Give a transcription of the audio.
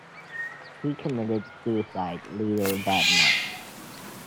He committed suicide later that month.